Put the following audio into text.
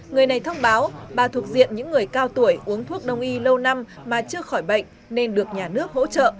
người này thông báo bà thuộc diện những người cao tuổi uống thuốc đông y lâu năm mà chưa khỏi bệnh nên được nhà nước hỗ trợ